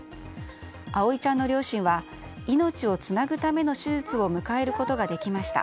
葵ちゃんの両親は命をつなぐための手術を迎えることができました